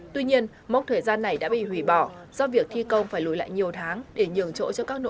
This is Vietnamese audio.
tuy nhiên mốc thời gian này đã bị hủy bỏ do việc thi công phải lùi lại nhiều tháng để nhường chỗ cho các nỗ lực